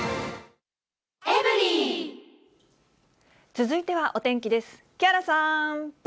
続いてはお天気です。